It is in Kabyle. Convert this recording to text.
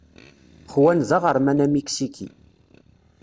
Juan d aɣerman amiksiki.